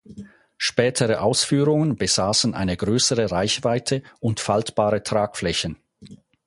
Spätere Ausführungen besaßen eine größere Reichweite und faltbare Tragflächen.